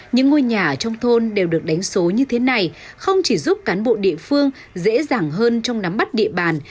những ngôi nhà trong thôn đều được đánh số như thế này không chỉ giúp cán bộ địa phương dễ dàng hơn trong nắm bắt địa bàn